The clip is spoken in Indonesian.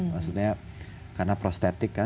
maksudnya karena prostetik kan